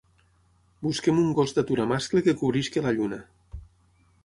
Busquem un gos d'atura mascle que cobreixi la Lluna.